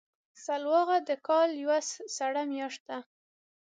سلواغه د کال یوه سړه میاشت ده.